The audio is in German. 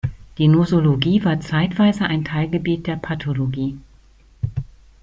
Die Nosologie war zeitweise ein Teilgebiet der Pathologie.